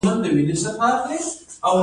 د چین لیوالتیا په کانونو کې څومره ده؟